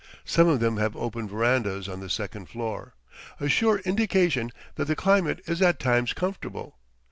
Some of them have open verandas on the second floor a sure indication that the climate is at times comfortable.